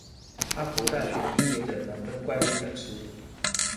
哈佛大學畢業的滿分怪物講師